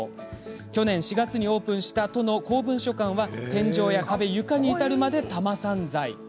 去年４月にオープンした都の公文書館は天井や壁、床に至るまで多摩産材。